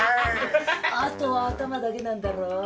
あとはアタマだけなんだろ。